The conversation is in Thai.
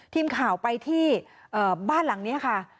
ทีมข่าวไปที่บ้านหลังนี้ค่ะ